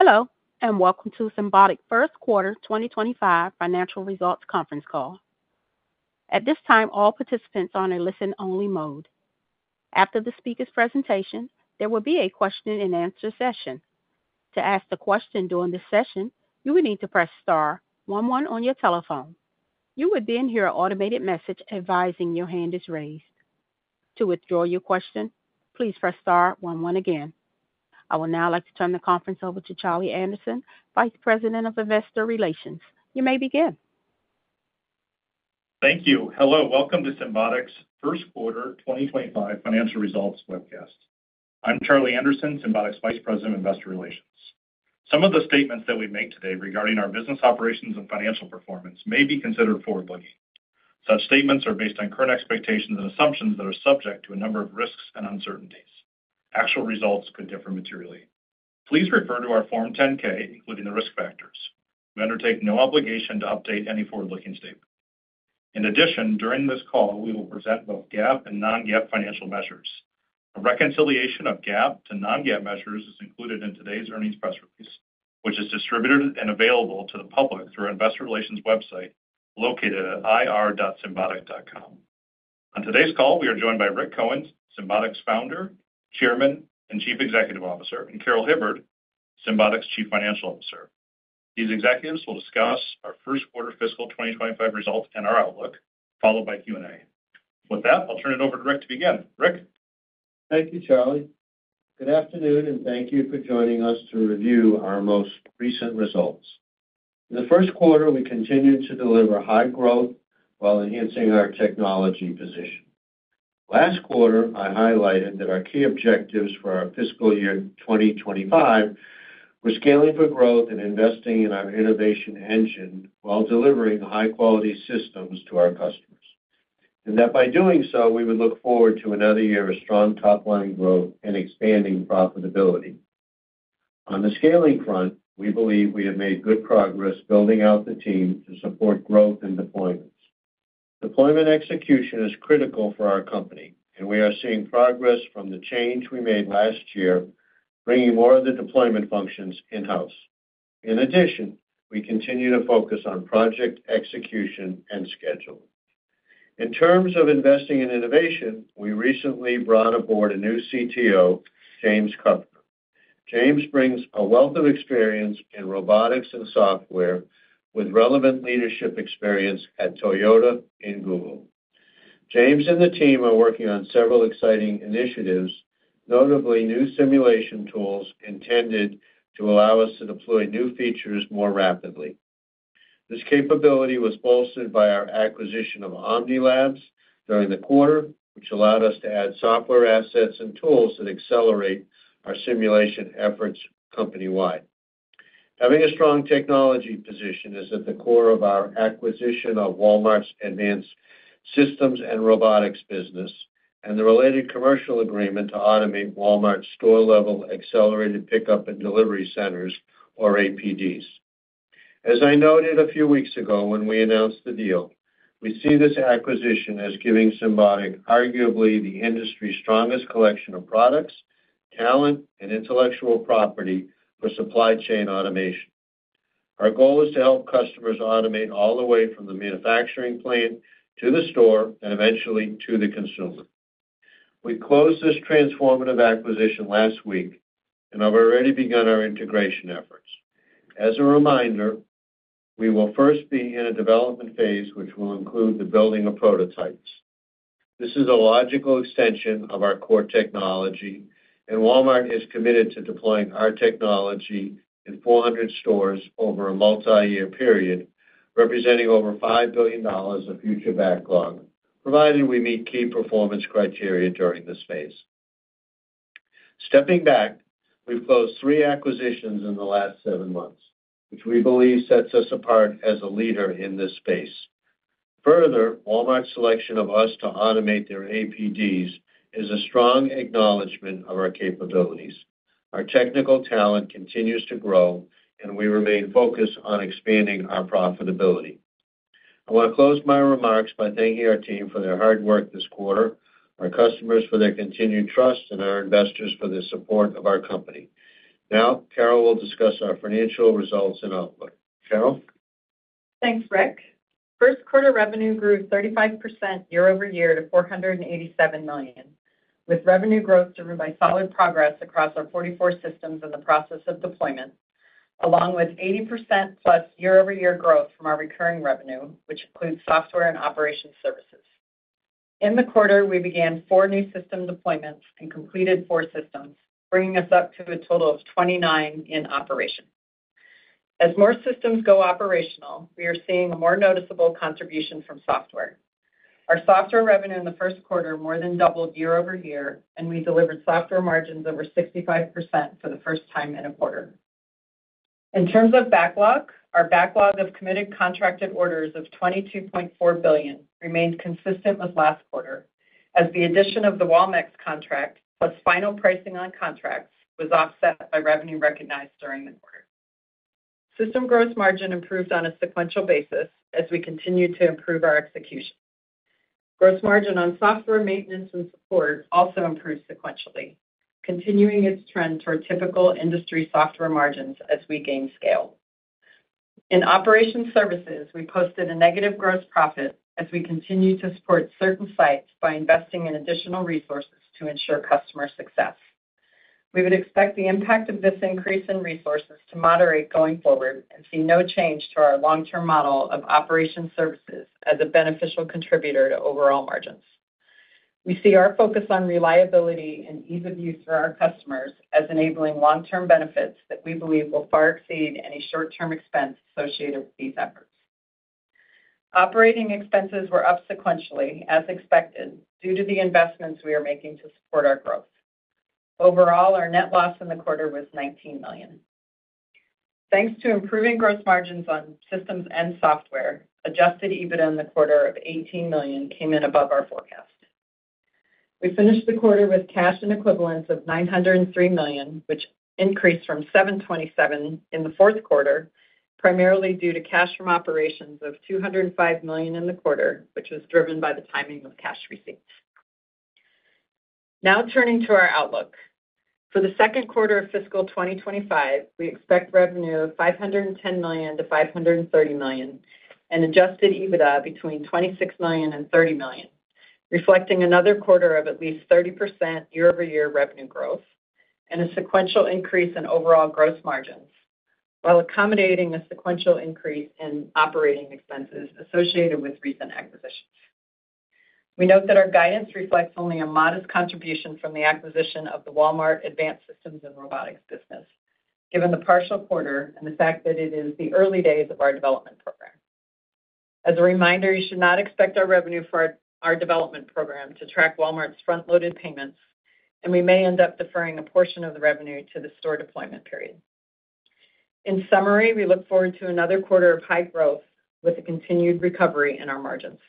Hello, and welcome to the Symbotic First Quarter 2025 Financial Results Conference Call. At this time, all participants are on a listen-only mode. After the speaker's presentation, there will be a question-and-answer session. To ask a question during this session, you will need to press star one one on your telephone. You will then hear an automated message advising your hand is raised. To withdraw your question, please press star one one again. I would now like to turn the conference over to Charlie Anderson, Vice President of Investor Relations. You may begin. Thank you. Hello, welcome to Symbotic's First Quarter 2025 Financial Results Webcast. I'm Charlie Anderson, Symbotic's Vice President of Investor Relations. Some of the statements that we make today regarding our business operations and financial performance may be considered forward-looking. Such statements are based on current expectations and assumptions that are subject to a number of risks and uncertainties. Actual results could differ materially. Please refer to our Form 10-K, including the risk factors. We undertake no obligation to update any forward-looking statement. In addition, during this call, we will present both GAAP and non-GAAP financial measures. A reconciliation of GAAP to non-GAAP measures is included in today's earnings press release, which is distributed and available to the public through our Investor Relations website located at ir.symbotic.com. On today's call, we are joined by Rick Cohen, Symbotic's Founder, Chairman, and Chief Executive Officer, and Carol Hibbard, Symbotic's Chief Financial Officer. These executives will discuss our First Quarter Fiscal 2025 results and our outlook, followed by Q&A. With that, I'll turn it over to Rick to begin. Rick. Thank you, Charlie. Good afternoon, and thank you for joining us to review our most recent results. In the first quarter, we continued to deliver high growth while enhancing our technology position. Last quarter, I highlighted that our key objectives for our fiscal year 2025 were scaling for growth and investing in our innovation engine while delivering high-quality systems to our customers, and that by doing so, we would look forward to another year of strong top-line growth and expanding profitability. On the scaling front, we believe we have made good progress building out the team to support growth and deployments. Deployment execution is critical for our company, and we are seeing progress from the change we made last year, bringing more of the deployment functions in-house. In addition, we continue to focus on project execution and scheduling. In terms of investing in innovation, we recently brought aboard a new CTO, James Kuffner. James brings a wealth of experience in robotics and software with relevant leadership experience at Toyota and Google. James and the team are working on several exCitigroupng initiatives, notably new simulation tools intended to allow us to deploy new features more rapidly. This capability was bolstered by our acquisition of OhmniLabs during the quarter, which allowed us to add software assets and tools that accelerate our simulation efforts company-wide. Having a strong technology position is at the core of our acquisition of Walmart's advanced systems and robotics business and the related commercial agreement to automate Walmart's store-level automated pickup and delivery centers, or APDs. As I noted a few weeks ago when we announced the deal, we see this acquisition as giving Symbotic arguably the industry's strongest collection of products, talent, and intellectual property for supply chain automation. Our goal is to help customers automate all the way from the manufacturing plant to the store and eventually to the consumer. We closed this transformative acquisition last week, and I've already begun our integration efforts. As a reminder, we will first be in a development phase, which will include the building of prototypes. This is a logical extension of our core technology, and Walmart is committed to deploying our technology in 400 stores over a multi-year period, representing over $5 billion of future backlog, provided we meet key performance criteria during this phase. Stepping back, we've closed three acquisitions in the last seven months, which we believe sets us apart as a leader in this space. Further, Walmart's selection of us to automate their APDs is a strong acknowledgment of our capabilities. Our technical talent continues to grow, and we remain focused on expanding our profitability. I want to close my remarks by thanking our team for their hard work this quarter, our customers for their continued trust, and our investors for the support of our company. Now, Carol will discuss our financial results and outlook. Carol. Thanks, Rick. First quarter revenue grew 35% year-over-year to $487 million, with revenue growth driven by solid progress across our 44 systems in the process of deployment, along with 80%-plus year-over-year growth from our recurring revenue, which includes software and operations services. In the quarter, we began four new system deployments and completed four systems, bringing us up to a total of 29 in operation. As more systems go operational, we are seeing a more noticeable contribution from software. Our software revenue in the first quarter more than doubled year-over-year, and we delivered software margins over 65% for the first time in a quarter. In terms of backlog, our backlog of committed contracted orders of $22.4 billion remained consistent with last quarter, as the addition of the Walmex contract plus final pricing on contracts was offset by revenue recognized during the quarter. System gross margin improved on a sequential basis as we continued to improve our execution. Gross margin on software maintenance and support also improved sequentially, continuing its trend toward typical industry software margins as we gained scale. In operations services, we posted a negative gross profit as we continued to support certain sites by investing in additional resources to ensure customer success. We would expect the impact of this increase in resources to moderate going forward and see no change to our long-term model of operations services as a beneficial contributor to overall margins. We see our focus on reliability and ease of use for our customers as enabling long-term benefits that we believe will far exceed any short-term expense associated with these efforts. Operating expenses were up sequentially, as expected, due to the investments we are making to support our growth. Overall, our net loss in the quarter was $19 million. Thanks to improving gross margins on systems and software, adjusted EBITDA in the quarter of $18 million came in above our forecast. We finished the quarter with cash and equivalents of $903 million, which increased from $727 million in the fourth quarter, primarily due to cash from operations of $205 million in the quarter, which was driven by the timing of cash receipts. Now turning to our outlook. For the second quarter of fiscal 2025, we expect revenue of $510-$530 million and adjusted EBITDA between $26 million and $30 million, reflecting another quarter of at least 30% year-over-year revenue growth and a sequential increase in overall gross margins, while accommodating a sequential increase in operating expenses associated with recent acquisitions. We note that our guidance reflects only a modest contribution from the acquisition of the Walmart Advanced Systems and Robotics business, given the partial quarter and the fact that it is the early days of our development program. As a reminder, you should not expect our revenue for our development program to track Walmart's front-loaded payments, and we may end up deferring a portion of the revenue to the store deployment period. In summary, we look forward to another quarter of high growth with a continued recovery in our margins.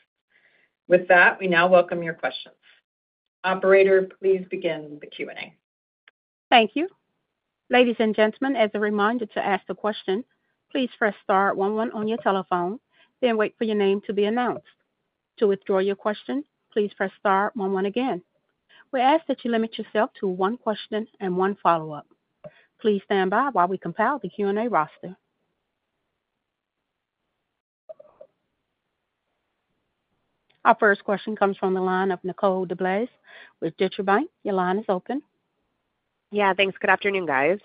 With that, we now welcome your questions. Operator, please begin the Q&A. Thank you. Ladies and gentlemen, as a reminder to ask a question, please press star one one on your telephone, then wait for your name to be announced. To withdraw your question, please press star one one again. We ask that you limit yourself to one question and one follow-up. Please stand by while we compile the Q&A roster. Our first question comes from the line of Nicole DeBlase with Deutsche Bank. Your line is open. Yeah, thanks. Good afternoon, guys.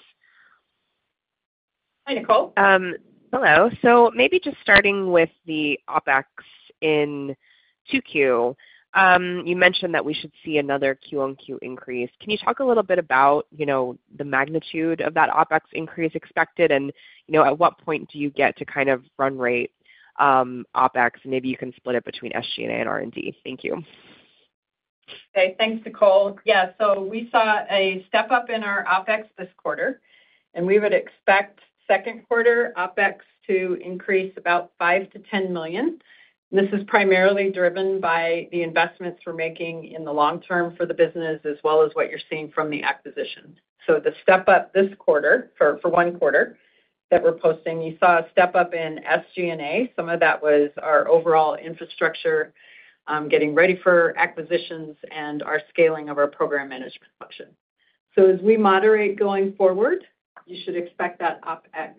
Hi, Nicole. Hello. So maybe just starting with the OpEx in Q2, you mentioned that we should see another Q on Q increase. Can you talk a little bit about the magnitude of that OpEx increase expected, and at what point do you get to kind of run rate OpEx? Maybe you can split it between SG&A and R&D. Thank you. Okay, thanks, Nicole. Yeah, so we saw a step up in our OpEx this quarter, and we would expect second quarter OpEx to increase about $5-$10 million. This is primarily driven by the investments we're making in the long term for the business, as well as what you're seeing from the acquisition. So the step up this quarter for one quarter that we're posting, you saw a step up in SG&A. Some of that was our overall infrastructure getting ready for acquisitions and our scaling of our program management function. So as we moderate going forward, you should expect that OpEx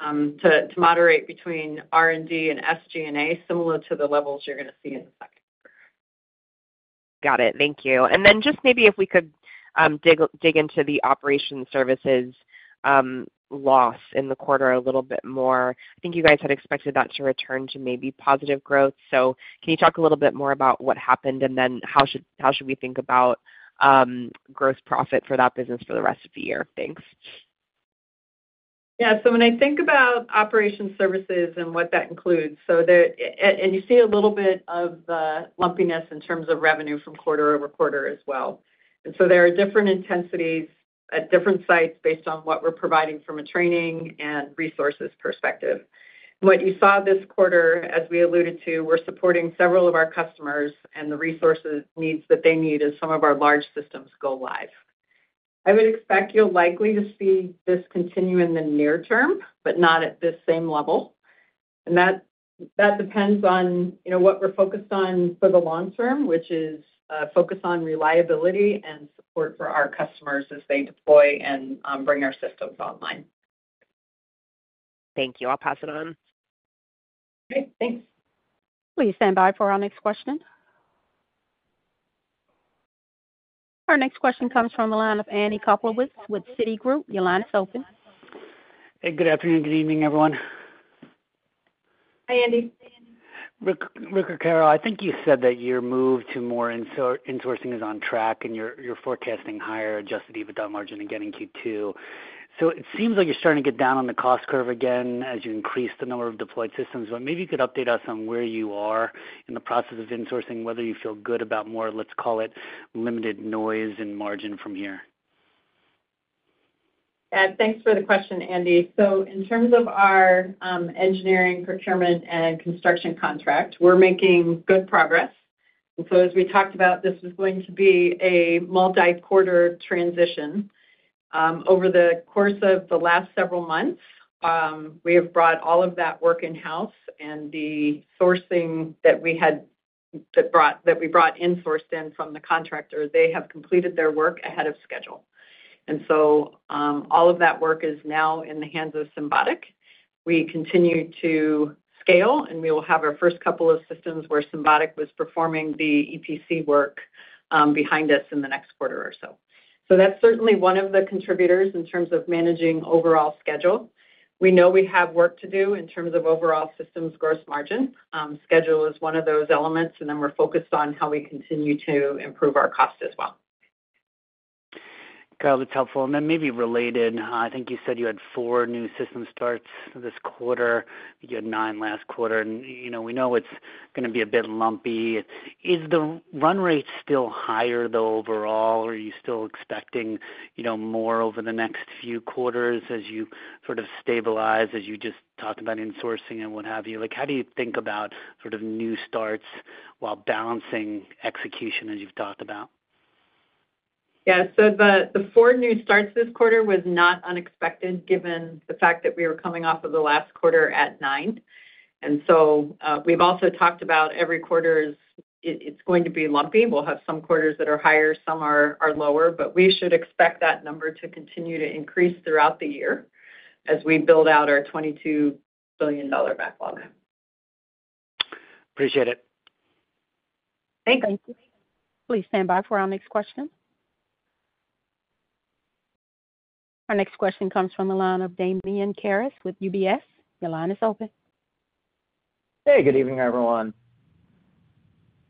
to moderate between R&D and SG&A, similar to the levels you're going to see in the second quarter. Got it. Thank you. And then just maybe if we could dig into the Operations Services loss in the quarter a little bit more. I think you guys had expected that to return to maybe positive growth. So can you talk a little bit more about what happened, and then how should we think about gross profit for that business for the rest of the year? Thanks. Yeah, so when I think about operations services and what that includes, and you see a little bit of the lumpiness in terms of revenue from quarter over quarter as well. And so there are different intensities at different sites based on what we're providing from a training and resources perspective. What you saw this quarter, as we alluded to, we're supporting several of our customers, and the resources needs that they need as some of our large systems go live. I would expect you'll likely to see this continue in the near term, but not at this same level. And that depends on what we're focused on for the long term, which is focus on reliability and support for our customers as they deploy and bring our systems online. Thank you. I'll pass it on. Okay, thanks. Please stand by for our next question. Our next question comes from the line of Andy Kaplowitz with Citigroup. Your line is open. Hey, good afternoon. Good evening, everyone. Hi, Andy. Rick or Carol, I think you said that your move to more insourcing is on track, and you're forecasting higher Adjusted EBITDA margin again in Q2. So it seems like you're starting to get down on the cost curve again as you increase the number of deployed systems. But maybe you could update us on where you are in the process of insourcing, whether you feel good about more, let's call it, limited noise and margin from here? Yeah, thanks for the question, Andy. So in terms of our engineering, procurement, and construction contract, we're making good progress. And so as we talked about, this was going to be a multi-quarter transition. Over the course of the last several months, we have brought all of that work in-house, and the sourcing that we brought insourced in from the contractor, they have completed their work ahead of schedule. And so all of that work is now in the hands of Symbotic. We continue to scale, and we will have our first couple of systems where Symbotic was performing the EPC work behind us in the next quarter or so. So that's certainly one of the contributors in terms of managing overall schedule. We know we have work to do in terms of overall systems gross margin. Schedule is one of those elements, and then we're focused on how we continue to improve our cost as well. Carol, that's helpful, and then maybe related. I think you said you had four new system starts this quarter. You had nine last quarter, and we know it's going to be a bit lumpy. Is the run rate still higher, though, overall? Are you still expecting more over the next few quarters as you sort of stabilize, as you just talked about insourcing and what have you? How do you think about sort of new starts while balancing execution, as you've talked about? Yeah, so the four new starts this quarter was not unexpected, given the fact that we were coming off of the last quarter at nine. And so we've also talked about every quarter it's going to be lumpy. We'll have some quarters that are higher, some are lower, but we should expect that number to continue to increase throughout the year as we build out our $22 billion backlog. Appreciate it. Thank you. Please stand by for our next question. Our next question comes from the line of Damian Karas with UBS. Your line is open. Hey, good evening, everyone.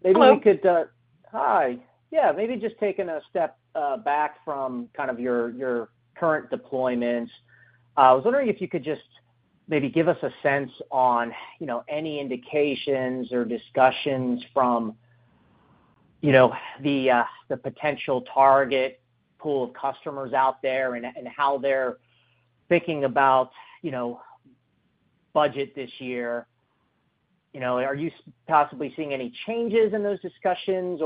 Maybe we could. Hello. Hi. Yeah, maybe just taking a step back from kind of your current deployments. I was wondering if you could just maybe give us a sense on any indications or discussions from the potential target pool of customers out there and how they're thinking about budget this year. Are you possibly seeing any changes in those discussions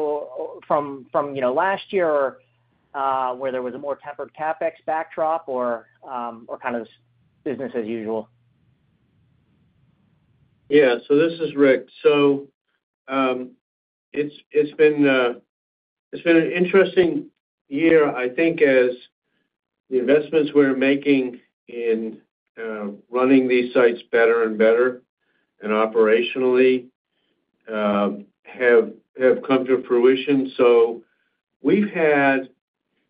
from last year where there was a more tempered CapEx backdrop or kind of business as usual? Yeah, so this is Rick. So it's been an interesting year, I think, as the investments we're making in running these sites better and better and operationally have come to fruition. So we've had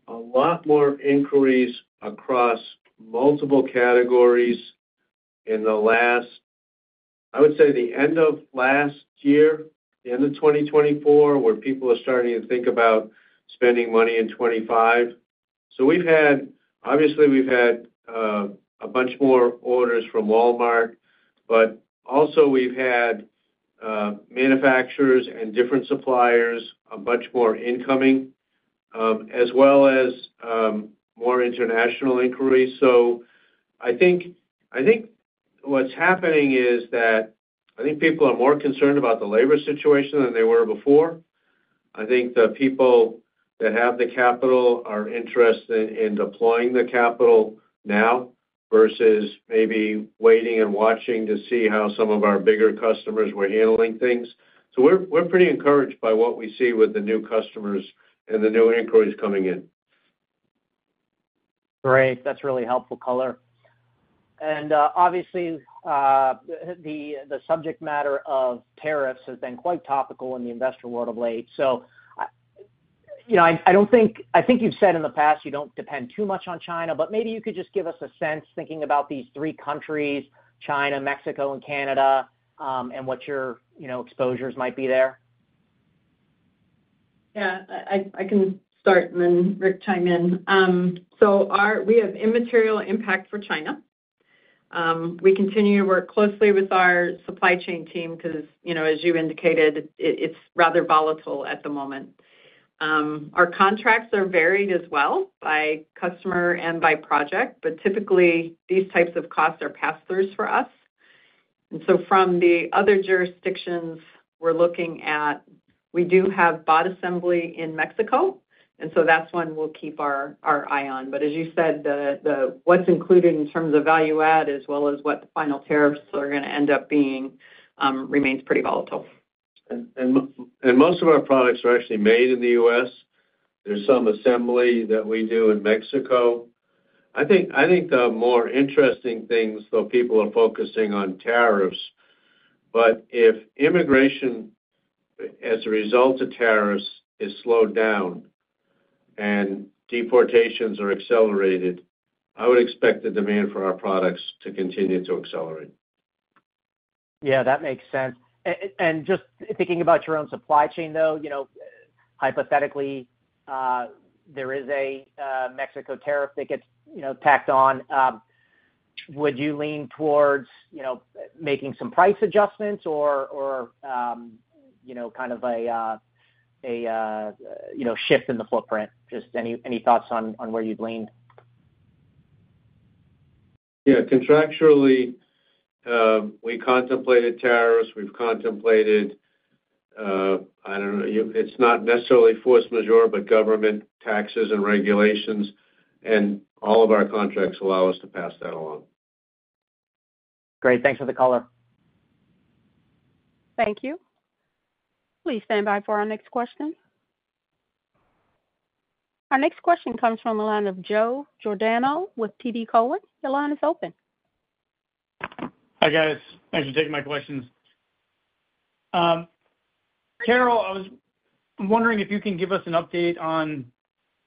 a lot more inquiries across multiple categories in the last, I would say, the end of last year, the end of 2024, where people are starting to think about spending money in 2025. So obviously, we've had a bunch more orders from Walmart, but also we've had manufacturers and different suppliers, a bunch more incoming, as well as more international inquiries. So I think what's happening is that I think people are more concerned about the labor situation than they were before. I think the people that have the capital are interested in deploying the capital now versus maybe waiting and watching to see how some of our bigger customers were handling things. So we're pretty encouraged by what we see with the new customers and the new inquiries coming in. Great. That's really helpful color. And obviously, the subject matter of tariffs has been quite topical in the investor world of late. So I think you've said in the past you don't depend too much on China, but maybe you could just give us a sense thinking about these three countries, China, Mexico, and Canada, and what your exposures might be there. Yeah, I can start, and then Rick, chime in. So we have immaterial impact for China. We continue to work closely with our supply chain team because, as you indicated, it's rather volatile at the moment. Our contracts are varied as well by customer and by project, but typically, these types of costs are pass-throughs for us. And so from the other jurisdictions we're looking at, we do have robot assembly in Mexico, and so that's one we'll keep our eye on. But as you said, what's included in terms of value-add, as well as what the final tariffs are going to end up being, remains pretty volatile. Most of our products are actually made in the U.S. There's some assembly that we do in Mexico. I think the more interesting things, though, people are focusing on tariffs. If immigration, as a result of tariffs, is slowed down and deportations are accelerated, I would expect the demand for our products to continue to accelerate. Yeah, that makes sense. And just thinking about your own supply chain, though, hypothetically, there is a Mexico tariff that gets tacked on. Would you lean towards making some price adjustments or kind of a shift in the footprint? Just any thoughts on where you'd lean? Yeah, contractually, we contemplated tariffs. We've contemplated, I don't know, it's not necessarily force majeure, but government taxes and regulations, and all of our contracts allow us to pass that along. Great. Thanks for the color. Thank you. Please stand by for our next question. Our next question comes from the line of Joe Giordano with TD Cowen. Your line is open. Hi, guys. Thanks for taking my questions. Carol, I was wondering if you can give us an update on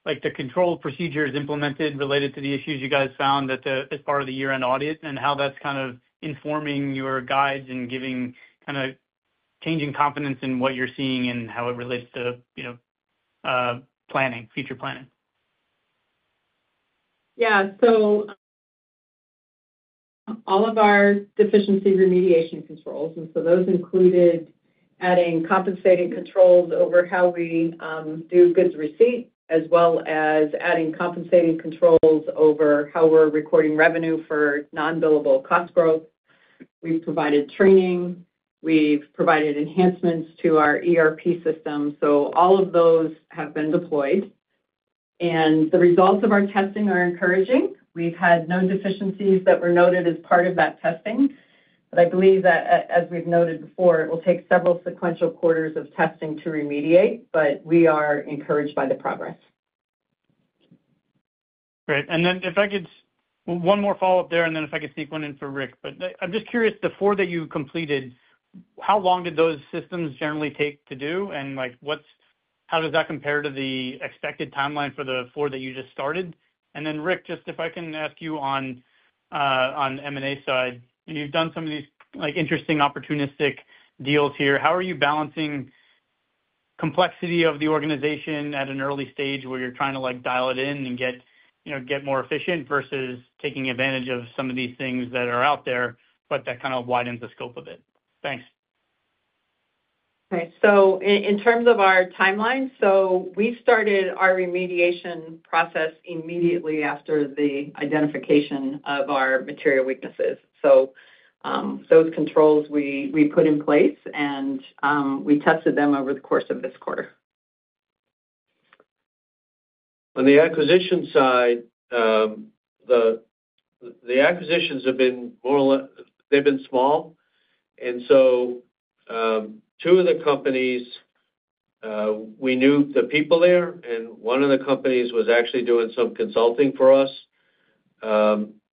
the control procedures implemented related to the issues you guys found as part of the year-end audit and how that's kind of informing your guides and kind of changing confidence in what you're seeing and how it relates to planning, future planning. Yeah, so all of our deficiency remediation controls, and so those included adding compensating controls over how we do goods receipt, as well as adding compensating controls over how we're recording revenue for non-billable cost growth. We've provided training. We've provided enhancements to our ERP system. So all of those have been deployed. And the results of our testing are encouraging. We've had no deficiencies that were noted as part of that testing. But I believe that, as we've noted before, it will take several sequential quarters of testing to remediate, but we are encouraged by the progress. Great. And then if I could one more follow-up there, and then if I could sneak one in for Rick. But I'm just curious, the four that you completed, how long did those systems generally take to do? And how does that compare to the expected timeline for the four that you just started? And then Rick, just if I can ask you on M&A side, you've done some of these interesting opportunistic deals here. How are you balancing complexity of the organization at an early stage where you're trying to dial it in and get more efficient versus taking advantage of some of these things that are out there, but that kind of widens the scope of it? Thanks. Okay. In terms of our timeline, we started our remediation process immediately after the identification of our material weaknesses. Those controls we put in place, and we tested them over the course of this quarter. On the acquisition side, the acquisitions have been more or less. They've been small. And so two of the companies, we knew the people there, and one of the companies was actually doing some consulting for us.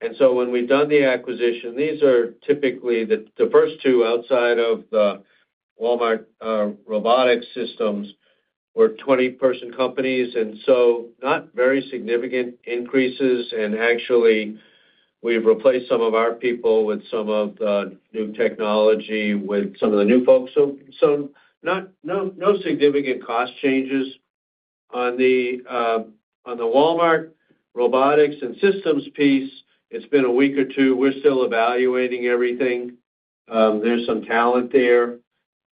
And so when we've done the acquisition, these are typically the first two outside of the Walmart robotics systems were 20-person companies, and so not very significant increases. And actually, we've replaced some of our people with some of the new technology with some of the new folks. So no significant cost changes. On the Walmart robotics and systems piece, it's been a week or two. We're still evaluating everything. There's some talent there,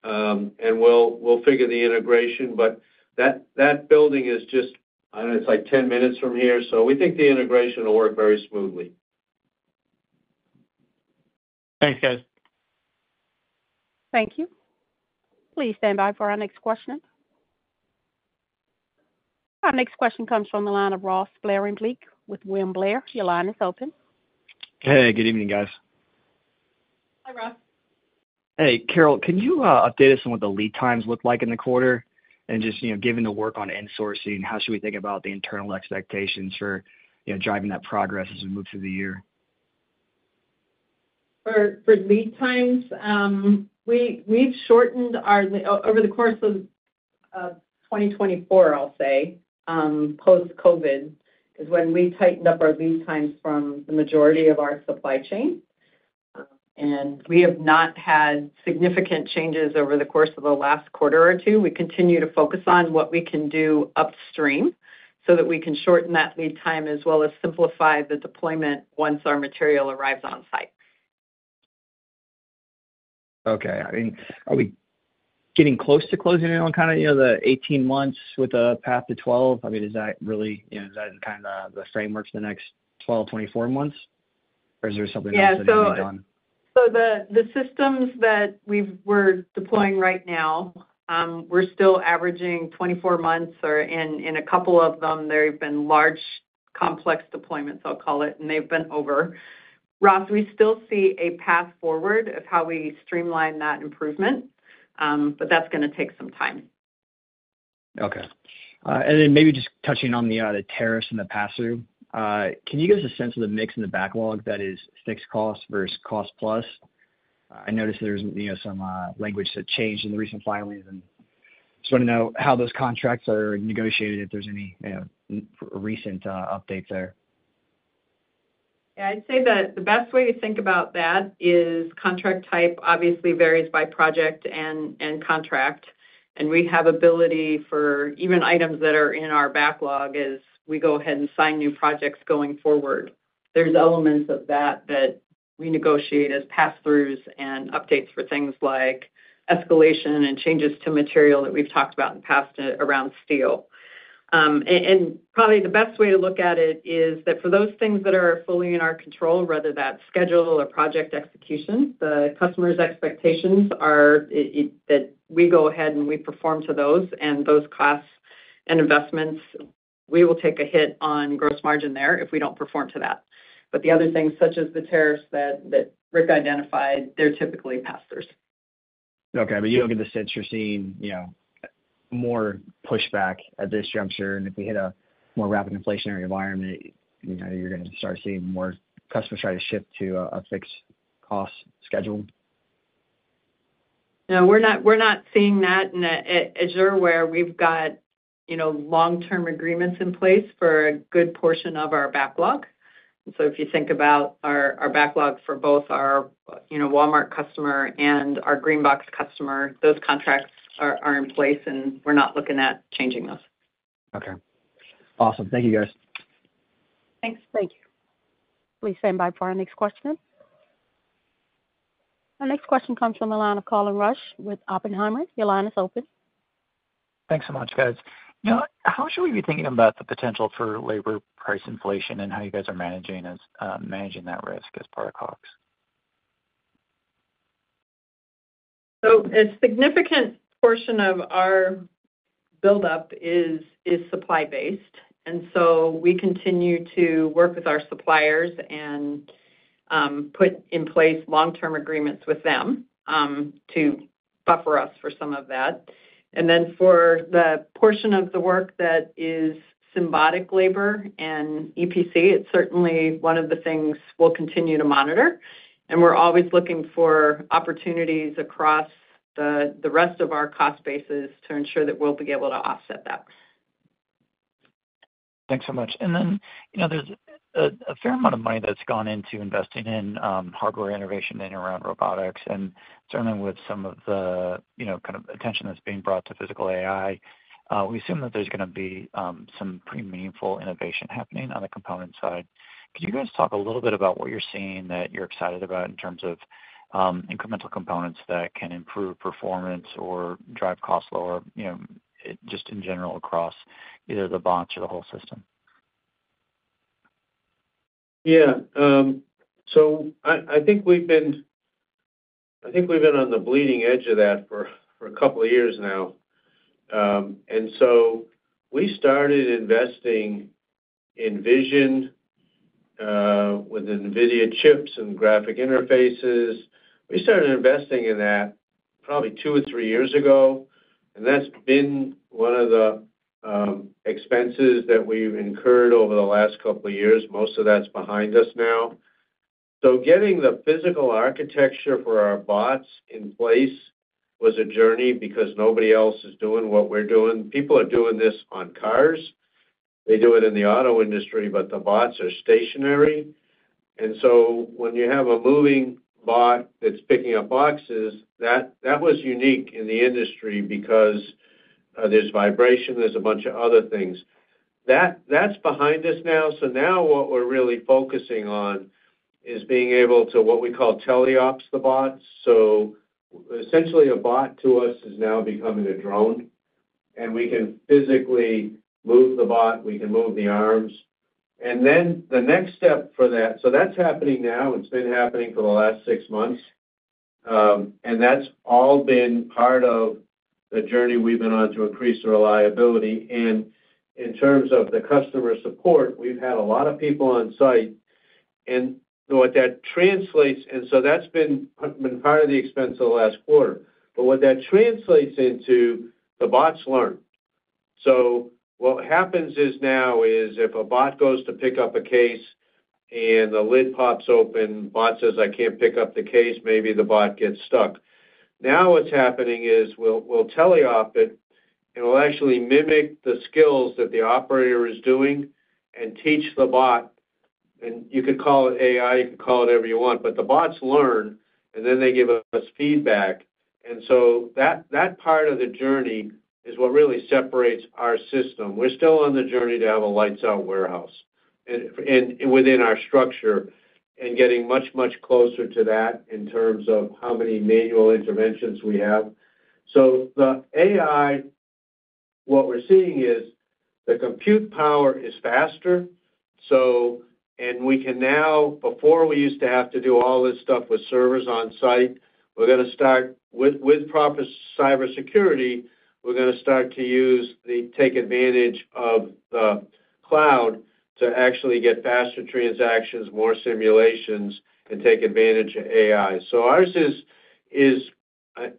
and we'll figure the integration. But that building is just, I don't know, it's like 10 minutes from here. So we think the integration will work very smoothly. Thanks, guys. Thank you. Please stand by for our next question. Our next question comes from the line of Ross Sparenblek with William Blair. Your line is open. Hey, good evening, guys. Hi, Ross. Hey, Carol, can you update us on what the lead times look like in the quarter? And just given the work on insourcing, how should we think about the internal expectations for driving that progress as we move through the year? For lead times, we've shortened our over the course of 2024. I'll say, post-COVID, is when we tightened up our lead times from the majority of our supply chain, and we have not had significant changes over the course of the last quarter or two. We continue to focus on what we can do upstream so that we can shorten that lead time as well as simplify the deployment once our material arrives on site. Okay. I mean, are we getting close to closing in on kind of the 18 months with a path to 12? I mean, is that really kind of the framework for the next 12, 24 months? Or is there something else that needs to be done? Yeah, so the systems that we're deploying right now, we're still averaging 24 months, or in a couple of them, there have been large complex deployments, I'll call it, and they've been over. Ross, we still see a path forward of how we streamline that improvement, but that's going to take some time. Okay, and then maybe just touching on the tariffs and the pass-through, can you give us a sense of the mix in the backlog that is fixed costs versus cost-plus? I noticed there's some language that changed in the recent filings, and I just want to know how those contracts are negotiated, if there's any recent updates there. Yeah, I'd say that the best way to think about that is contract type obviously varies by project and contract, and we have ability for even items that are in our backlog as we go ahead and sign new projects going forward. There's elements of that that we negotiate as pass-throughs and updates for things like escalation and changes to material that we've talked about in the past around steel, and probably the best way to look at it is that for those things that are fully in our control, whether that's schedule or project execution, the customer's expectations are that we go ahead and we perform to those, and those costs and investments, we will take a hit on gross margin there if we don't perform to that, but the other things, such as the tariffs that Rick identified, they're typically pass-throughs. Okay. But you don't get the sense you're seeing more pushback at this juncture? And if we hit a more rapid inflationary environment, you're going to start seeing more customers try to shift to a fixed cost schedule? No, we're not seeing that. And as you're aware, we've got long-term agreements in place for a good portion of our backlog. And so if you think about our backlog for both our Walmart customer and our GreenBox customer, those contracts are in place, and we're not looking at changing those. Okay. Awesome. Thank you, guys. Thanks. Thank you. Please stand by for our next question. Our next question comes from the line of Colin Rusch with Oppenheimer. Your line is open. Thanks so much, guys. How should we be thinking about the potential for labor price inflation and how you guys are managing that risk as part of COGS? So a significant portion of our buildup is supply-based. And so we continue to work with our suppliers and put in place long-term agreements with them to buffer us for some of that. And then for the portion of the work that is Symbotic labor and EPC, it's certainly one of the things we'll continue to monitor. And we're always looking for opportunities across the rest of our cost bases to ensure that we'll be able to offset that. Thanks so much. And then there's a fair amount of money that's gone into investing in hardware innovation and around robotics. And certainly, with some of the kind of attention that's being brought to physical AI, we assume that there's going to be some pretty meaningful innovation happening on the component side. Could you guys talk a little bit about what you're seeing that you're excited about in terms of incremental components that can improve performance or drive costs lower, just in general across either the box or the whole system? Yeah. So I think we've been on the bleeding edge of that for a couple of years now. And so we started investing in Vision with NVIDIA chips and graphic interfaces. We started investing in that probably two or three years ago. And that's been one of the expenses that we've incurred over the last couple of years. Most of that's behind us now. So getting the physical architecture for our bots in place was a journey because nobody else is doing what we're doing. People are doing this on cars. They do it in the auto industry, but the bots are stationary. And so when you have a moving bot that's picking up boxes, that was unique in the industry because there's vibration. There's a bunch of other things. That's behind us now. So now what we're really focusing on is being able to, what we call, tele-ops the bots. So essentially, a bot to us is now becoming a drone. And we can physically move the bot. We can move the arms. And then the next step for that, so that's happening now. It's been happening for the last six months. And that's all been part of the journey we've been on to increase the reliability. And in terms of the customer support, we've had a lot of people on site. And what that translates and so that's been part of the expense of the last quarter. But what that translates into, the bots learn. So what happens now is if a bot goes to pick up a case and the lid pops open, the bot says, "I can't pick up the case." Maybe the bot gets stuck. Now what's happening is we'll tele-op it, and we'll actually mimic the skills that the operator is doing and teach the bot. You could call it AI. You could call it whatever you want, but the bots learn, and then they give us feedback, and so that part of the journey is what really separates our system. We're still on the journey to have a lights-out warehouse within our structure and getting much, much closer to that in terms of how many manual interventions we have, so the AI, what we're seeing is the compute power is faster, and we can now, before we used to have to do all this stuff with servers on site, we're going to start with proper cybersecurity. We're going to start to take advantage of the cloud to actually get faster transactions, more simulations, and take advantage of AI. Ours is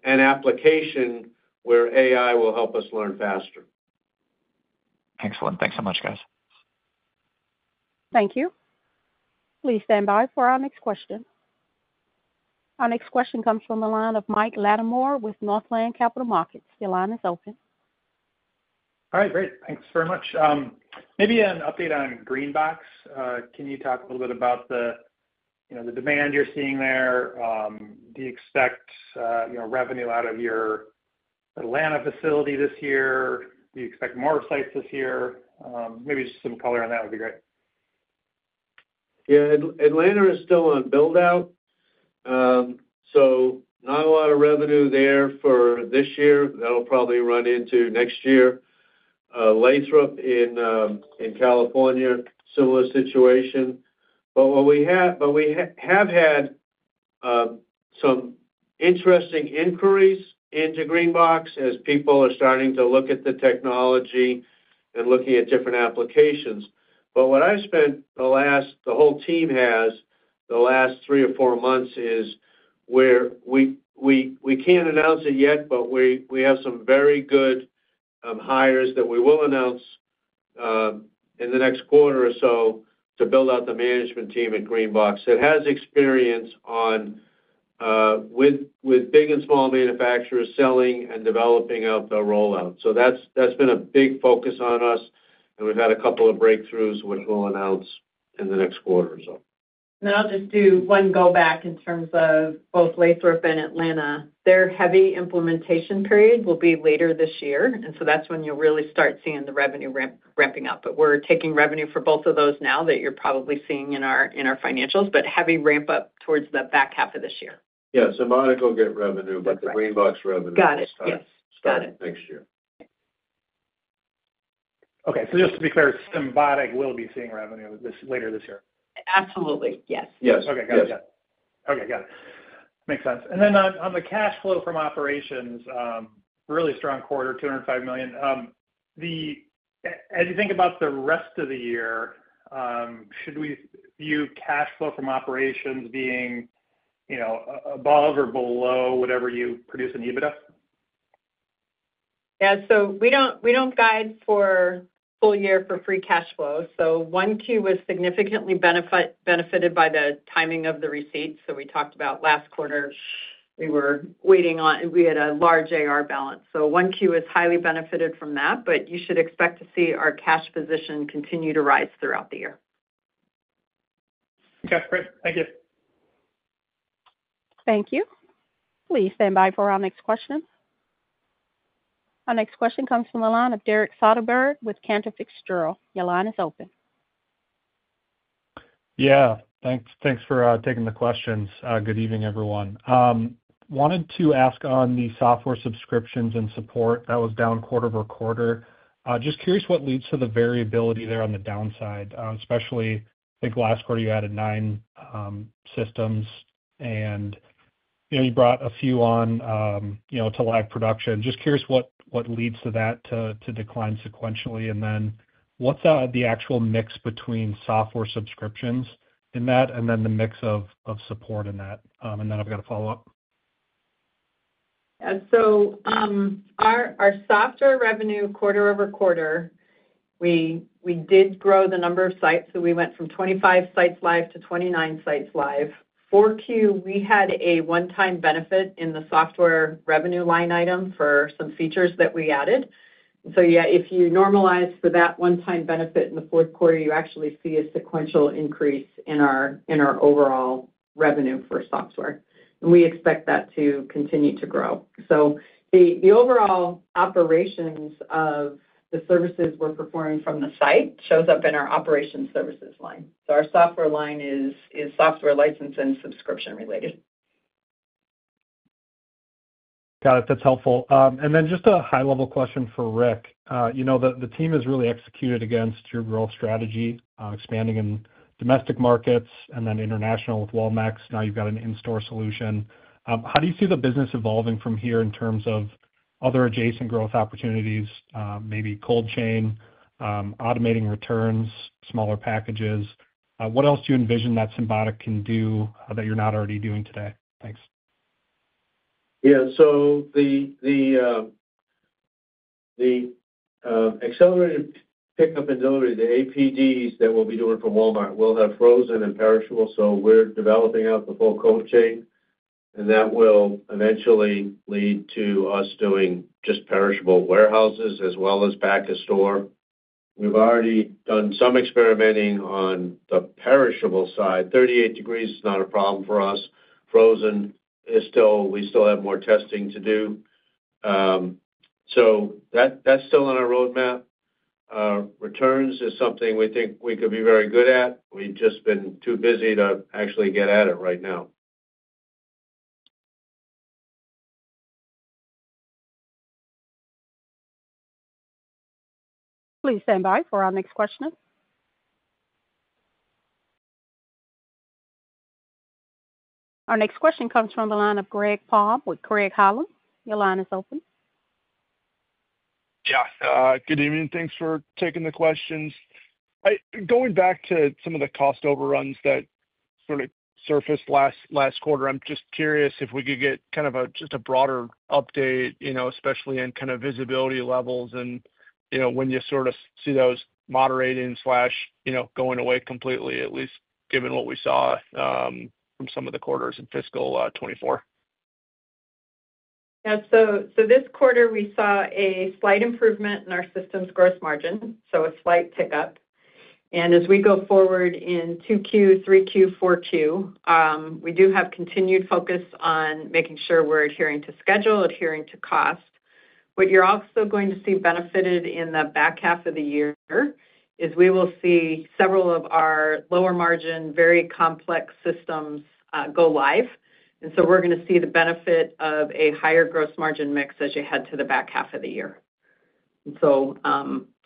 an application where AI will help us learn faster. Excellent. Thanks so much, guys. Thank you. Please stand by for our next question. Our next question comes from the line of Mike Latimore with Northland Capital Markets. Your line is open. All right. Great. Thanks very much. Maybe an update on GreenBox. Can you talk a little bit about the demand you're seeing there? Do you expect revenue out of your Atlanta facility this year? Do you expect more sites this year? Maybe just some color on that would be great. Yeah. Atlanta is still on build-out. So not a lot of revenue there for this year. That'll probably run into next year. Lathrop in California, similar situation. But we have had some interesting inquiries into GreenBox as people are starting to look at the technology and looking at different applications. But what I've spent the whole team has the last three or four months is where we can't announce it yet, but we have some very good hires that we will announce in the next quarter or so to build out the management team at GreenBox. It has experience with big and small manufacturers selling and developing out the rollout. So that's been a big focus on us. And we've had a couple of breakthroughs which we'll announce in the next quarter, so. And I'll just do one go back in terms of both Lathrop and Atlanta. Their heavy implementation period will be later this year. And so that's when you'll really start seeing the revenue ramping up. But we're taking revenue for both of those now that you're probably seeing in our financials, but heavy ramp-up towards the back half of this year. Yeah. Symbotic will get revenue, but the GreenBox revenue will start next year. Got it. Got it. Okay. So just to be clear, Symbotic will be seeing revenue later this year? Absolutely. Yes. Yes.Yes. Okay. Got it. Yeah. Okay. Got it. Makes sense. And then on the cash flow from operations, really strong quarter, $205 million. As you think about the rest of the year, should we view cash flow from operations being above or below whatever you produce in EBITDA? Yeah. So we don't guide for full year for free cash flow. So 1Q was significantly benefited by the timing of the receipts. So we talked about last quarter, we were waiting on. We had a large AR balance. So 1Q is highly benefited from that, but you should expect to see our cash position continue to rise throughout the year. Okay. Great. Thank you. Thank you. Please stand by for our next question. Our next question comes from the line of Derek Soderberg with Cantor Fitzgerald. Your line is open. Yeah. Thanks for taking the questions. Good evening, everyone. Wanted to ask on the software subscriptions and support. That was down quarter over quarter. Just curious what leads to the variability there on the downside, especially I think last quarter you added nine systems, and you brought a few on to live production. Just curious what leads to that decline sequentially. And then what's the actual mix between software subscriptions in that and then the mix of support in that? And then I've got a follow-up. Yeah. So our software revenue, quarter over quarter, we did grow the number of sites. So we went from 25 sites live to 29 sites live. 4Q, we had a one-time benefit in the software revenue line item for some features that we added. And so, yeah, if you normalize for that one-time benefit in the fourth quarter, you actually see a sequential increase in our overall revenue for software. And we expect that to continue to grow. So the overall operations of the services we're performing from the site shows up in our operations services line. So our software line is software license and subscription-related. Got it. That's helpful. And then just a high-level question for Rick. The team has really executed against your growth strategy, expanding in domestic markets and then international with Walmart. Now you've got an in-store solution. How do you see the business evolving from here in terms of other adjacent growth opportunities, maybe cold chain, automating returns, smaller packages? What else do you envision that Symbotic can do that you're not already doing today? Thanks. Yeah. So the accelerated pickup and delivery, the APDs that we'll be doing for Walmart will have frozen and perishable. So we're developing out the full cold chain. And that will eventually lead to us doing just perishable warehouses as well as package store. We've already done some experimenting on the perishable side. 38 degrees Fahrenheit is not a problem for us. Frozen is still. We still have more testing to do. So that's still on our roadmap. Returns is something we think we could be very good at. We've just been too busy to actually get at it right now. Please stand by for our next question. Our next question comes from the line of Greg Palm with Craig-Hallum. Your line is open. Yeah. Good evening. Thanks for taking the questions. Going back to some of the cost overruns that sort of surfaced last quarter, I'm just curious if we could get kind of just a broader update, especially in kind of visibility levels and when you sort of see those moderating or going away completely, at least given what we saw from some of the quarters in fiscal 2024. Yeah, so this quarter, we saw a slight improvement in our system's gross margin, so a slight pickup, and as we go forward in 2Q, 3Q, 4Q, we do have continued focus on making sure we're adhering to schedule, adhering to cost. What you're also going to see benefited in the back half of the year is we will see several of our lower-margin, very complex systems go live, and so we're going to see the benefit of a higher gross margin mix as you head to the back half of the year, and so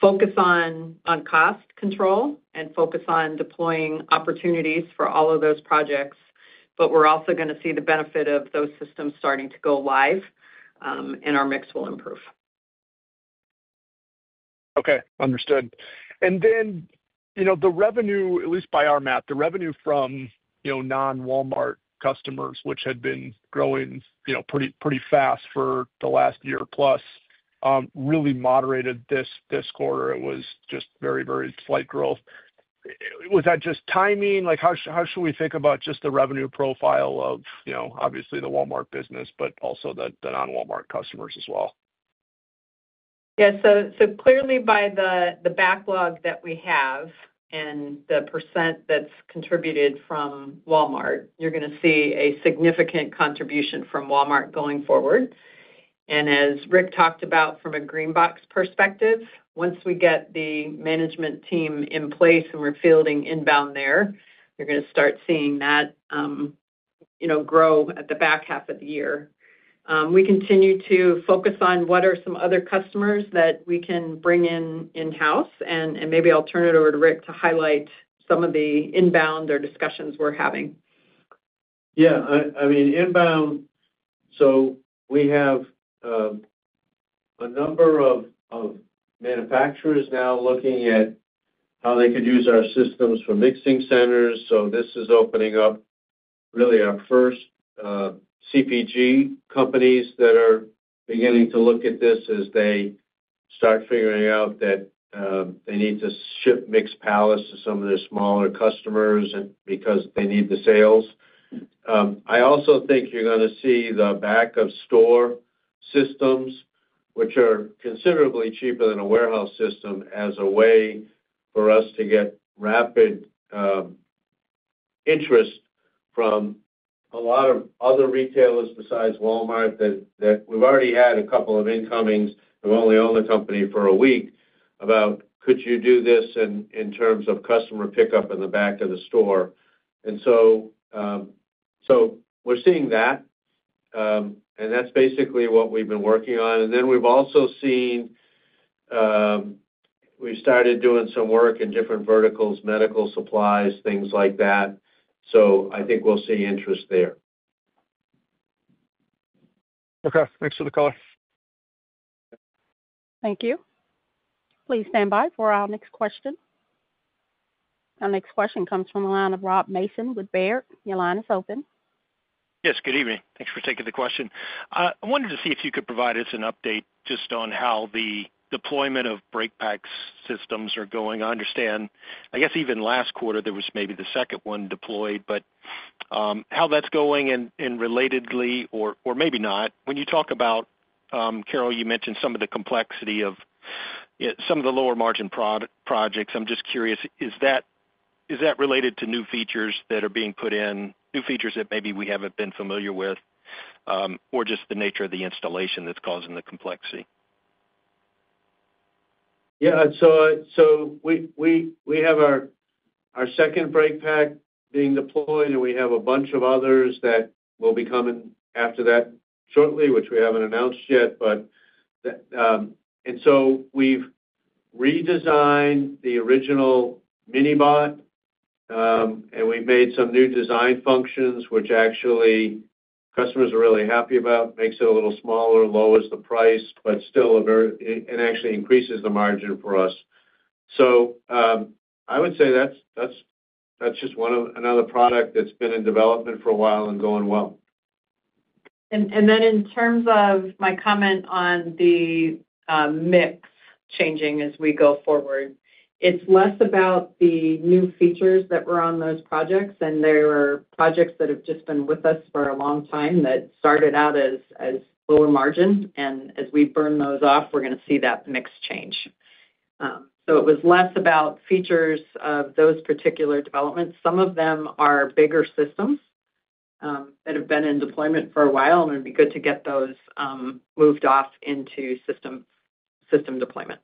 focus on cost control and focus on deploying opportunities for all of those projects, but we're also going to see the benefit of those systems starting to go live, and our mix will improve. Okay. Understood. And then the revenue, at least by our map, the revenue from non-Walmart customers, which had been growing pretty fast for the last year plus, really moderated this quarter. It was just very, very slight growth. Was that just timing? How should we think about just the revenue profile of, obviously, the Walmart business, but also the non-Walmart customers as well? Yeah. So clearly, by the backlog that we have and the percent that's contributed from Walmart, you're going to see a significant contribution from Walmart going forward. And as Rick talked about from a GreenBox perspective, once we get the management team in place and we're fielding inbound there, you're going to start seeing that grow at the back half of the year. We continue to focus on what are some other customers that we can bring in-house. And maybe I'll turn it over to Rick to highlight some of the inbound or discussions we're having. Yeah. I mean, inbound, so we have a number of manufacturers now looking at how they could use our systems for mixing centers. So this is opening up really our first CPG companies that are beginning to look at this as they start figuring out that they need to ship mixed pallets to some of their smaller customers because they need the sales. I also think you're going to see the back-of-store systems, which are considerably cheaper than a warehouse system, as a way for us to get rapid interest from a lot of other retailers besides Walmart that we've already had a couple of incomings. They've only owned the company for a week about, "Could you do this in terms of customer pickup in the back of the store?" and so we're seeing that. And that's basically what we've been working on. And then we've also seen we've started doing some work in different verticals, medical supplies, things like that. So I think we'll see interest there. Okay. Thanks for the call. Thank you. Please stand by for our next question. Our next question comes from the line of Rob Mason with Baird. Your line is open. Yes. Good evening. Thanks for taking the question. I wanted to see if you could provide us an update just on how the deployment of Breakpack systems are going. I understand, I guess, even last quarter, there was maybe the second one deployed, but how that's going and relatedly, or maybe not. When you talk about, Carol, you mentioned some of the complexity of some of the lower-margin projects. I'm just curious, is that related to new features that are being put in, new features that maybe we haven't been familiar with, or just the nature of the installation that's causing the complexity? Yeah. So we have our second Breakpack being deployed, and we have a bunch of others that will be coming after that shortly, which we haven't announced yet, and so we've redesigned the original MiniBot, and we've made some new design functions, which actually customers are really happy about, makes it a little smaller, lowers the price, but still actually increases the margin for us, so I would say that's just another product that's been in development for a while and going well. And then, in terms of my comment on the mix changing as we go forward, it's less about the new features that were on those projects. And there are projects that have just been with us for a long time that started out as lower margin. And as we burn those off, we're going to see that mix change. So it was less about features of those particular developments. Some of them are bigger systems that have been in deployment for a while, and it'd be good to get those moved off into system deployment.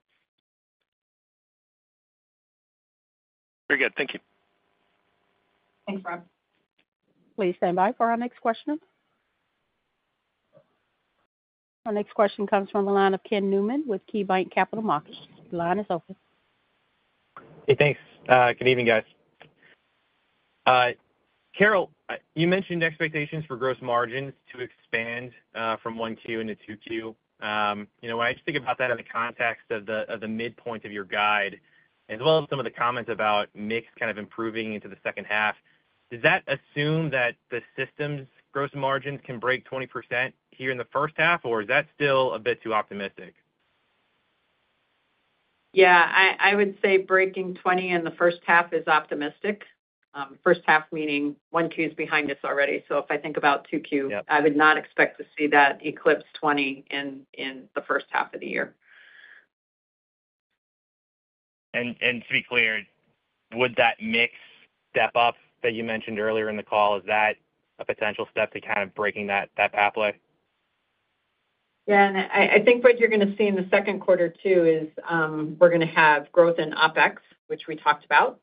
Very good. Thank you. Thanks, Rob. Please stand by for our next question. Our next question comes from the line of Ken Newman with KeyBanc Capital Markets. The line is open. Hey, thanks. Good evening, guys. Carol, you mentioned expectations for gross margins to expand from 1Q into 2Q. When I just think about that in the context of the midpoint of your guide, as well as some of the comments about mix kind of improving into the second half, does that assume that the system's gross margins can break 20% here in the first half, or is that still a bit too optimistic? Yeah. I would say breaking 20 in the first half is optimistic. First half meaning 1Q is behind us already. So if I think about 2Q, I would not expect to see that eclipse 20 in the first half of the year. To be clear, would that mix step up that you mentioned earlier in the call, is that a potential step to kind of breaking that pathway? Yeah, and I think what you're going to see in the second quarter, too, is we're going to have growth in OpEx, which we talked about.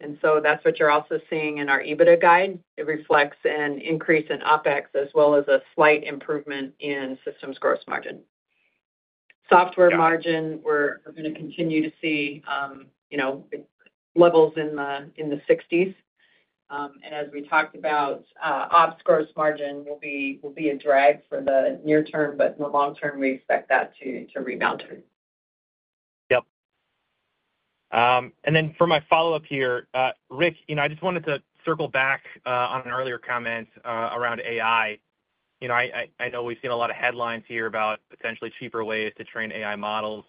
And so that's what you're also seeing in our EBITDA guide. It reflects an increase in OpEx as well as a slight improvement in systems gross margin. Software margin, we're going to continue to see levels in the 60s. And as we talked about, OpEx gross margin will be a drag for the near term, but in the long term, we expect that to rebound. Yep. And then for my follow-up here, Rick, I just wanted to circle back on an earlier comment around AI. I know we've seen a lot of headlines here about potentially cheaper ways to train AI models.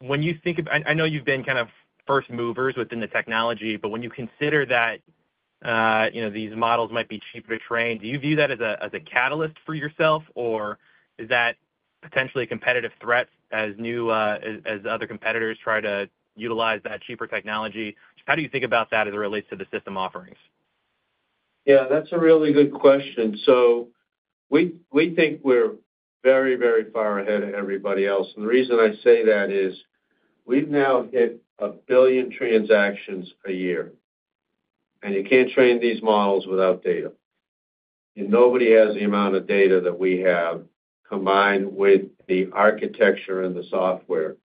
When you think about, I know you've been kind of first movers within the technology, but when you consider that these models might be cheaper to train, do you view that as a catalyst for yourself, or is that potentially a competitive threat as other competitors try to utilize that cheaper technology? How do you think about that as it relates to the system offerings? Yeah. That's a really good question. So we think we're very, very far ahead of everybody else. And the reason I say that is we've now hit a billion transactions a year. And you can't train these models without data. And nobody has the amount of data that we have combined with the architecture and the software.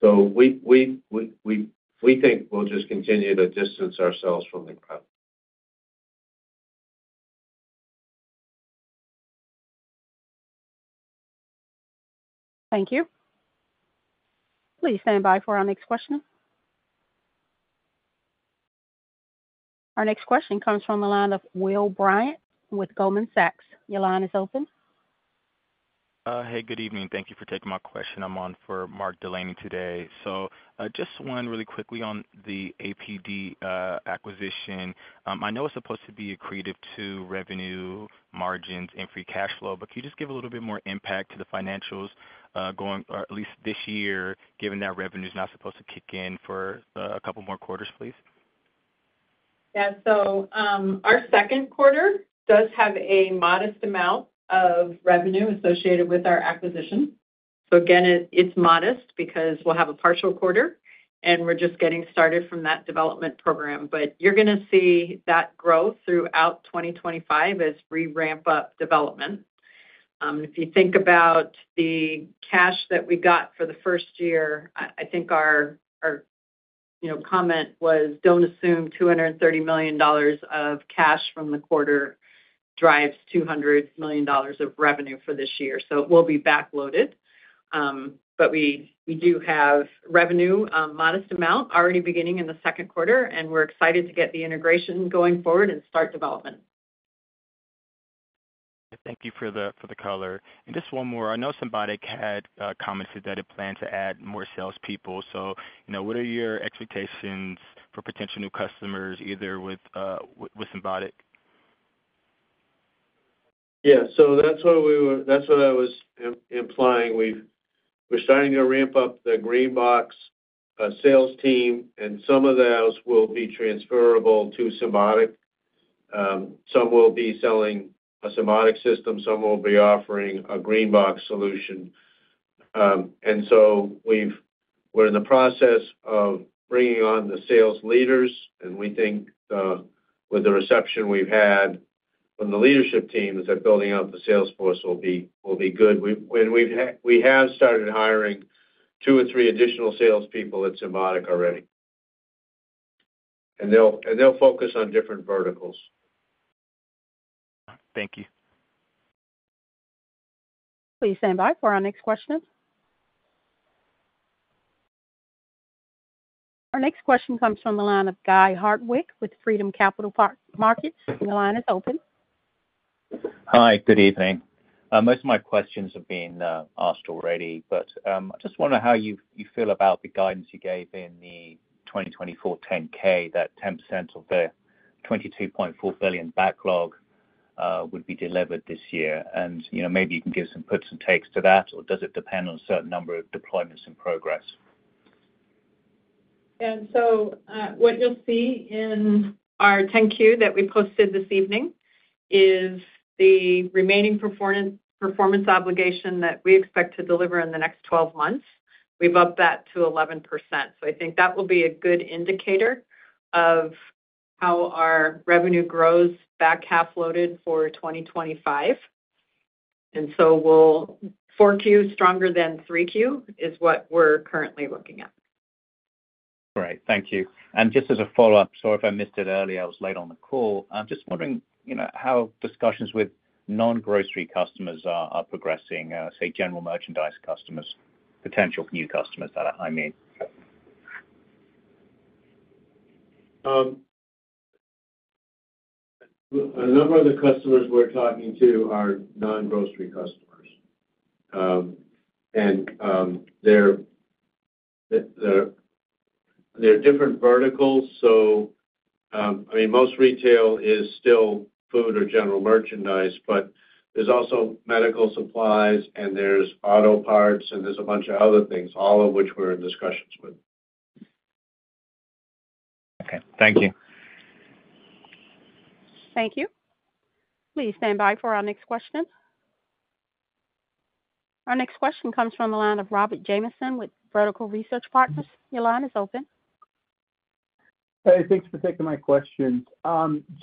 So we think we'll just continue to distance ourselves from the crowd. Thank you. Please stand by for our next question. Our next question comes from the line of Will Bryant with Goldman Sachs. Your line is open. Hey, good evening. Thank you for taking my question. I'm on for Mark Delaney today. So just one really quickly on the APD acquisition. I know it's supposed to be accretive to revenue, margins, and free cash flow, but can you just give a little bit more impact to the financials going, or at least this year, given that revenue is not supposed to kick in for a couple more quarters, please? Yeah. So our second quarter does have a modest amount of revenue associated with our acquisition. So again, it's modest because we'll have a partial quarter, and we're just getting started from that development program. But you're going to see that growth throughout 2025 as we ramp up development. If you think about the cash that we got for the first year, I think our comment was, "Don't assume $230 million of cash from the quarter drives $200 million of revenue for this year." So it will be backloaded. But we do have revenue, a modest amount, already beginning in the second quarter, and we're excited to get the integration going forward and start development. Thank you for the color. And just one more. I know Symbotic had commented that it planned to add more salespeople. So what are your expectations for potential new customers, either with Symbotic? Yeah. So that's what I was implying. We're starting to ramp up the GreenBox sales team, and some of those will be transferable to Symbotic. Some will be selling a Symbotic system. Some will be offering a GreenBox solution. And so we're in the process of bringing on the sales leaders, and we think with the reception we've had from the leadership teams at building out the sales force will be good. We have started hiring two or three additional salespeople at Symbotic already. And they'll focus on different verticals. Thank you. Please stand by for our next question. Our next question comes from the line of Guy Hardwick with Freedom Capital Markets. Your line is open. Hi. Good evening. Most of my questions have been asked already, but I just wonder how you feel about the guidance you gave in the 2024 10-K, that 10% of the $22.4 billion backlog would be delivered this year. And maybe you can give some puts and takes to that, or does it depend on a certain number of deployments in progress? And so what you'll see in our 10-K that we posted this evening is the remaining performance obligation that we expect to deliver in the next 12 months. We've upped that to 11%. So I think that will be a good indicator of how our revenue grows back half-loaded for 2025. And so we'll 4Q stronger than 3Q is what we're currently looking at. Great. Thank you and just as a follow-up, sorry if I missed it early. I was late on the call. I'm just wondering how discussions with non-grocery customers are progressing, say, general merchandise customers, potential new customers that I mean. A number of the customers we're talking to are non-grocery customers, and they're different verticals, so I mean, most retail is still food or general merchandise, but there's also medical supplies, and there's auto parts, and there's a bunch of other things, all of which we're in discussions with. Okay. Thank you. Thank you. Please stand by for our next question. Our next question comes from the line of Robert Jamieson with Vertical Research Partners. Your line is open. Hey, thanks for taking my questions.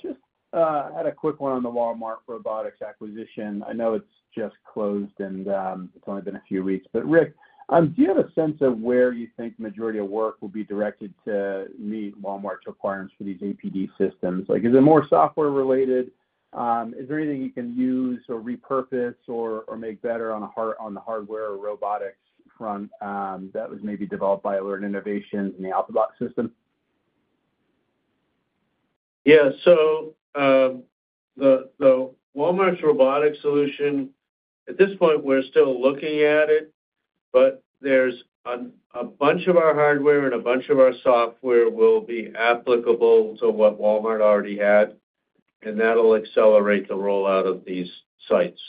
Just had a quick one on the Walmart robotics acquisition. I know it's just closed, and it's only been a few weeks. But Rick, do you have a sense of where you think the majority of work will be directed to meet Walmart's requirements for these APD systems? Is it more software-related? Is there anything you can use or repurpose or make better on the hardware or robotics front that was maybe developed by Alert Innovation and the AlphaBot system? Yeah, so the Walmart's robotics solution, at this point, we're still looking at it, but a bunch of our hardware and a bunch of our software will be applicable to what Walmart already had, and that'll accelerate the rollout of these sites.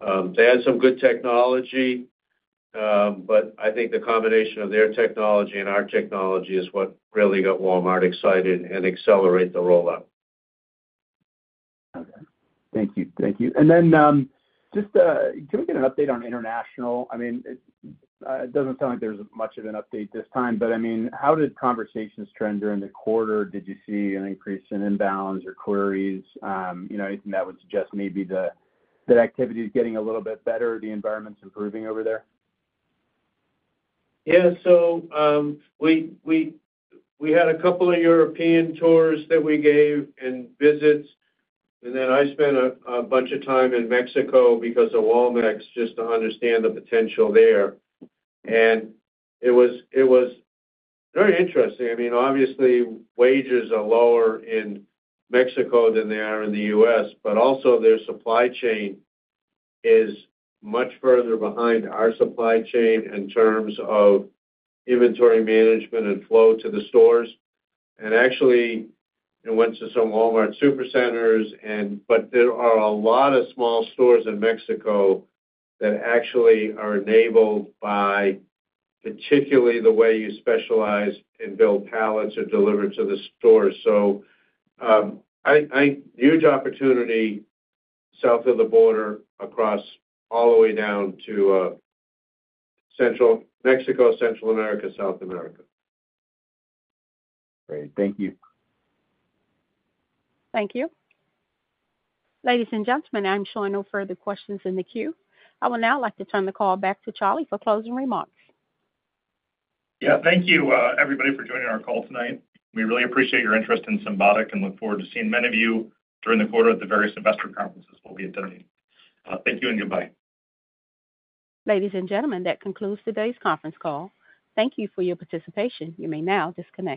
They had some good technology, but I think the combination of their technology and our technology is what really got Walmart excited and accelerated the rollout. Okay. Thank you. Thank you. And then just can we get an update on international? I mean, it doesn't sound like there's much of an update this time, but I mean, how did conversations trend during the quarter? Did you see an increase in inbounds or queries? Anything that would suggest maybe the activity is getting a little bit better, the environment's improving over there? Yeah. So we had a couple of European tours that we gave and visits, and then I spent a bunch of time in Mexico because of Walmart just to understand the potential there. And it was very interesting. I mean, obviously, wages are lower in Mexico than they are in the U.S., but also their supply chain is much further behind our supply chain in terms of inventory management and flow to the stores. And actually, I went to some Walmart supercenters, but there are a lot of small stores in Mexico that actually are enabled by particularly the way you specialize in building pallets or delivering to the stores. So huge opportunity south of the border across all the way down to Central Mexico, Central America, South America. Great. Thank you. Thank you. Ladies and gentlemen, I'm showing no further questions in the queue. I would now like to turn the call back to Charlie for closing remarks. Yeah. Thank you, everybody, for joining our call tonight. We really appreciate your interest in Symbotic and look forward to seeing many of you during the quarter at the various investor conferences we'll be attending. Thank you and goodbye. Ladies and gentlemen, that concludes today's conference call. Thank you for your participation. You may now disconnect.